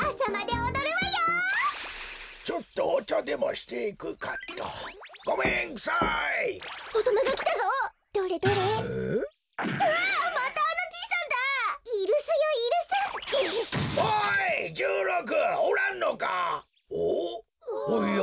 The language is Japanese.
おや？